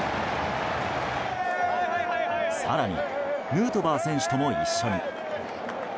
更にヌートバー選手とも一緒に。